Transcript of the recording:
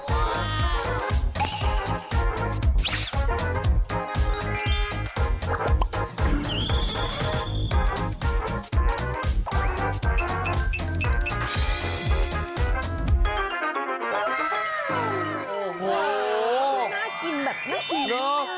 โอ้โหน่ากินแบบน่ากิน